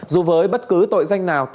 dù với bất cứ tội danh nào